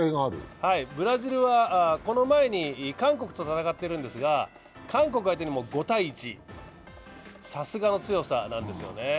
ブラジルはこの前に韓国と戦っているんですが、韓国相手にも５−１、さすがの強さなんですよね。